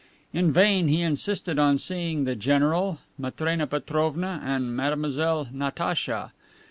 In vain he insisted on seeing the general, Matrena Petrovna and Mademoiselle Natacha.